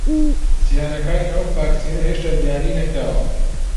زیانەکانی ئەم ڤاکسینە هێشتا دیاری نەکراوە